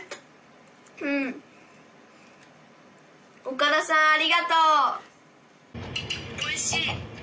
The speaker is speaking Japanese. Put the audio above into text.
岡田さんありがとう！おいしい！